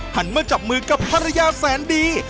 หันมาจับมือกับภรรยาแสนดี